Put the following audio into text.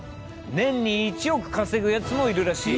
年に１億稼ぐやつもいるらしい。